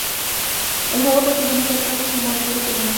El juego contiene más sarcasmo y humor negro que los anteriores.